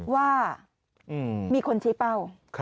ว่ามีคนชี้เป้า